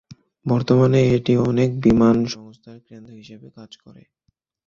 বর্তমানে এটি অনেক বিমান সংস্থার কেন্দ্র হিসেবে কাজ করে।